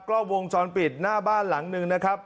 กล้องวงจรปิดหน้าบ้านหลังหนึ่งนะครับ